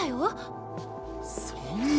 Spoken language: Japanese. そんな。